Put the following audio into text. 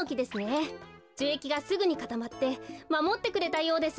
じゅえきがすぐにかたまってまもってくれたようです。